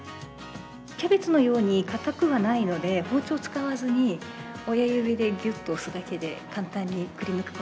キャベツのように、硬くはないので、包丁を使わずに、親指でぎゅっと押すだけで、簡単にくり親指だけで？